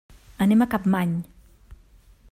Anem a Capmany.